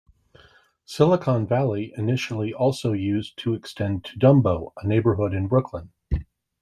Silicon Alley initially also used to extend to Dumbo, a neighborhood in Brooklyn.